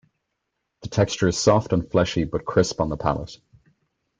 The texture is soft and fleshy, but crisp on the palate.